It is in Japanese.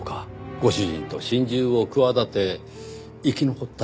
ご主人と心中を企て生き残った女性。